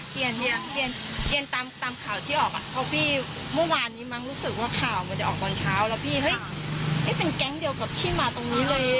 หลังเกิดเหตุจนถึงวันนี้ไม่สามารถเปิดกล้องวงจรปิดดูย้อนหลังได้อ่ะคุณผู้ชม